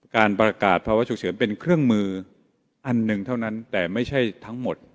การประกาศภาวะฉุกเฉินเป็นเครื่องมืออันหนึ่งเท่านั้นแต่ไม่ใช่ทั้งหมด